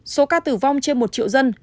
số ca tử vong trên một triệu dân